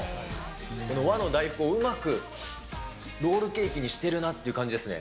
この和の大福をうまくロールケーキにしてるなって感じですね。